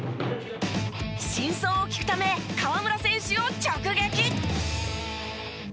真相を聞くため河村選手を直撃！